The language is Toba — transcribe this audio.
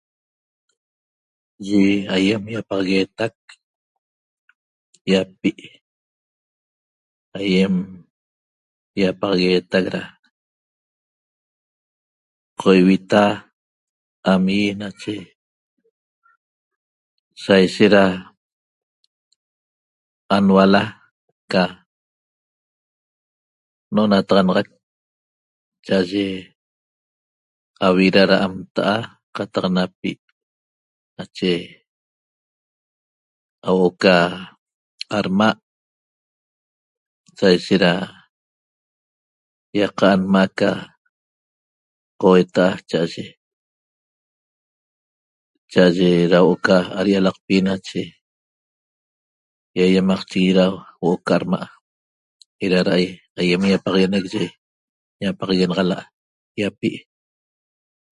Yi aýem ýapaxagueetac ýapi' aýem ýapaxagueetac da qo ivita da am ýi nache saishet da anuala ca n'onataxanac cha'aye avida da am nta'a qataq napi' nache hau'o ca adma' saishet da ýaqa'a nma' ca qoueta'a cha'aye cha'aye da huo'o ca ad'i'alaqpi ýaýamaqchiguiñi da huo'o ca adma' eda da aýem ýapaxaguenec yi ñapaxaguenaxala' ýapi'